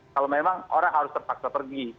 kalau memang orang harus terpaksa pergi